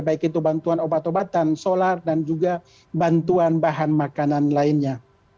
baik itu bantuan obat obatan solar dan juga bantuan bahan makanan lainnya